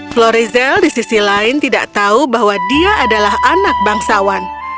florizel di sisi lain tidak tahu bahwa dia adalah anak bangsawan